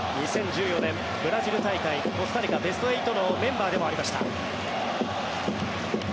２０１４年ブラジル大会コスタリカ、ベスト８のメンバーでもありました。